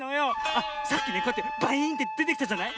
あっさっきこうやってバイーンってでてきたじゃない？